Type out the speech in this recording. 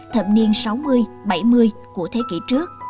thập niên sáu mươi bảy mươi của thế kỷ trước